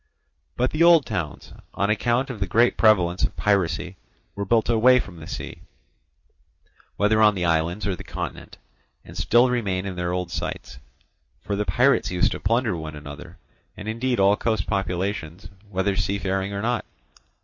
But the old towns, on account of the great prevalence of piracy, were built away from the sea, whether on the islands or the continent, and still remain in their old sites. For the pirates used to plunder one another, and indeed all coast populations, whether seafaring or not.